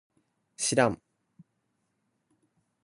しらん